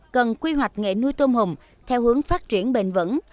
cần quy hoạch nghề nuôi tôm hùm theo hướng phát triển bền vững